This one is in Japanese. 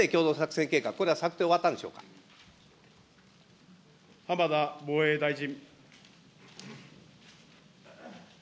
この日米共同作戦計画、これは策浜田防衛大臣。